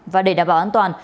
và để đảm bảo an toàn